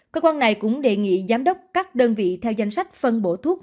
cơ quan này cũng đề nghị giám đốc các đơn vị theo danh sách phân bổ thuốc